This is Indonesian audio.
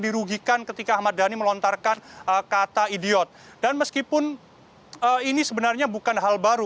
dirugikan ketika ahmad dhani melontarkan kata idiot dan meskipun ini sebenarnya bukan hal baru